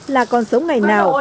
là còn sống ngày nào